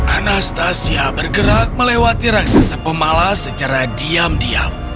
anastasia bergerak melewati raksasa pemala secara diam diam